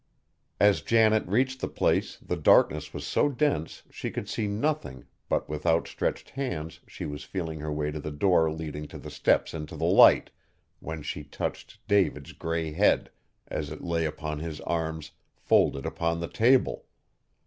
As Janet reached the place the darkness was so dense she could see nothing, but with outstretched hands she was feeling her way to the door leading to the steps into the Light, when she touched David's gray head, as it lay upon his arms folded upon the table!